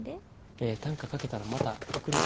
ええ短歌書けたらまた送るわ。